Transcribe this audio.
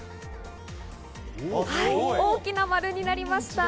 大きな丸になりました。